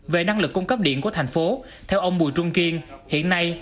về năng lực cung cấp điện của thành phố theo ông bùi trung kiên hiện nay